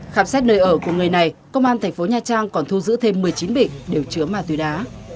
khám xét nơi ở của người này công an thành phố nha trang còn thu giữ thêm một mươi chín bịch đều chứa ma túy đá